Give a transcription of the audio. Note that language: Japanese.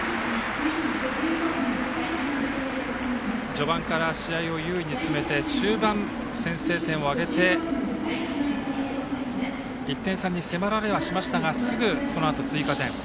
序盤から試合を優位に進めて中盤、先制点を挙げて１点差に迫られはしましたがすぐそのあと追加点。